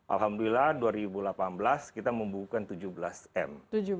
alhamdulillah dua ribu delapan belas kita membuka tujuh belas m